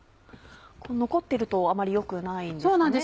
残っているとあまり良くないんですかね？